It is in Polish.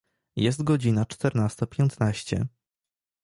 Jest godzina czternasta piętnaście.